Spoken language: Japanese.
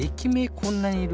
こんなにいる？